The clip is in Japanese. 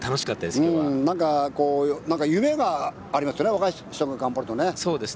夢がありましたね若い人が頑張るとね。